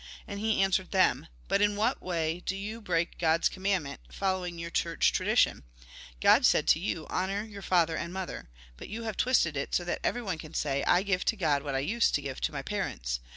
" And he answered them :" But in what way do you break God's commandment, following your church tradition ? God said to you :' Honour your father and mother.' But you have twisted it so that everyone can say :' I give to God what I used to give my parents.'